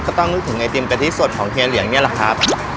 ต้องนึกถึงไอติมกะทิสดของเฮียเหลียงนี่แหละครับ